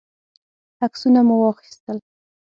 عکسونه مو واخیستل.